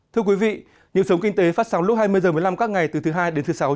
thưa quý vị những sống kinh tế phát sóng lúc hai mươi h một mươi năm các ngày từ thứ hai đến thứ sáu